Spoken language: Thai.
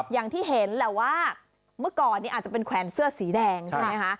อย่างที่เห็นแหละว่าเมื่อก่อนนี้อาจจะเป็นแขวนเสื้อสีแดงใช่ไหมคะ